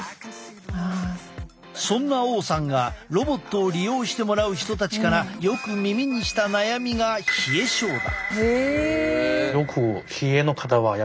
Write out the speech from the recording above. そんな王さんがロボットを利用してもらう人たちからよく耳にした悩みが冷え症だ。